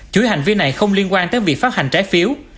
chủ yếu hành vi này không liên quan tới việc phát hành trái phiếu